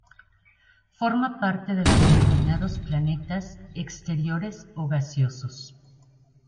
Forma parte de los denominados planetas exteriores o gaseosos.